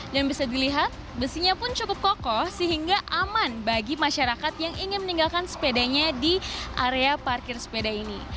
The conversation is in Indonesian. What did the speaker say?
dan bisa dilihat besinya pun cukup kokoh sehingga aman bagi masyarakat yang ingin meninggalkan sepedanya di area parkir sepeda ini